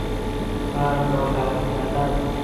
برق را قطع کردن